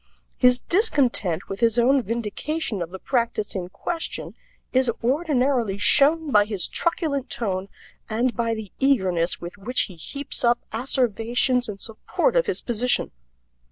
His discontent with his own vindication of the practice in question is ordinarily shown by his truculent tone and by the eagerness with which he heaps up asseverations in support of his position.